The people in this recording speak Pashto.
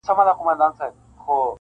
ستا بچیان هم زموږ په څېر دي نازولي؟ -